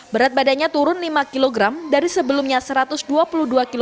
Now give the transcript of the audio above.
berat badannya turun lima kg dari sebelumnya seratus kg